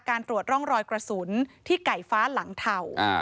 การตรวจร่องรอยกระสุนที่ไก่ฟ้าหลังเทา